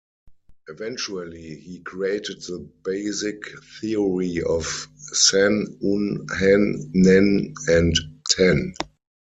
Eventually he created the basic theory of "Sen, Un, Hen, Nen" and "Ten".